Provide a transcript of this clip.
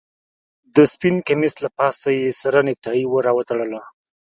د سپين کميس له پاسه يې سره نيكټايي هم راوتړله.